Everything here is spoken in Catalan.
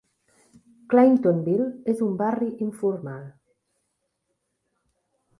Clintonville és un barri informal.